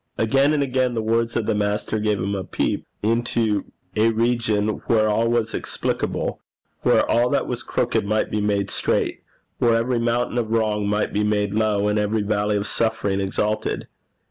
Again and again the words of the Master gave him a peep into a region where all was explicable, where all that was crooked might be made straight, where every mountain of wrong might be made low, and every valley of suffering exalted.